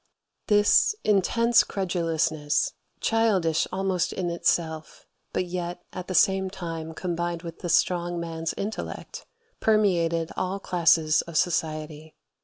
This intense credulousness, childish almost in itself, but yet at the same time combined with the strong man's intellect, permeated all classes of society.